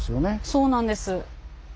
そうなんです。